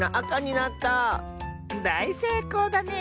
だいせいこうだね！